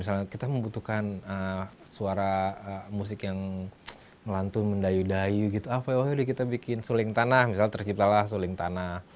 misalnya kita membutuhkan suara musik yang melantun mendayu dayu gitu apa ya udah kita bikin suling tanah misalnya terciptalah suling tanah